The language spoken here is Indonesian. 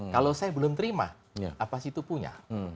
kalau saya belum terima apa situ punya